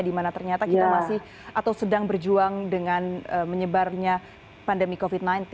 dimana ternyata kita masih atau sedang berjuang dengan menyebarnya pandemi covid sembilan belas